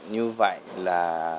như vậy là